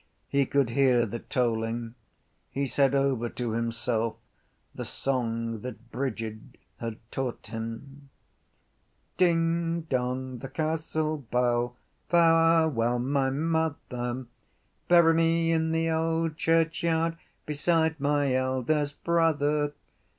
He could hear the tolling. He said over to himself the song that Brigid had taught him. Dingdong! The castle bell! Farewell, my mother! Bury me in the old churchyard Beside my eldest brother.